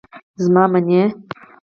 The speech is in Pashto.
زما منی.